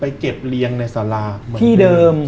ไปเก็บเลี้ยงในสลาด้วยชาวบ้านรับคำสั่งมาว่า